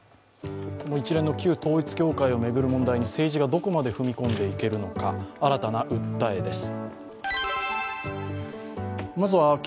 この一連の旧統一教会を巡る問題に政治がどこまで踏み込んでいけるのか新たな訴えです。